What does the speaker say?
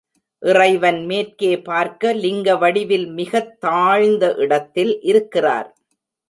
இறைவன் மேற்கே பார்க்க லிங்க வடிவில் மிகத் தாழ்ந்த இடத்தில் இருக்கிறார்.